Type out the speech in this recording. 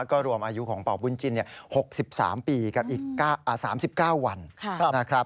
ก็รวมอายุของเป่าบุญจิน๖๓ปีกับอีก๓๙วันนะครับ